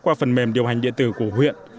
qua phần mềm điều hành địa tử của huyện